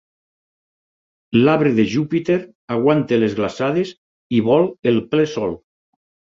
L'Arbre de Júpiter aguanta les glaçades i vol el ple sol.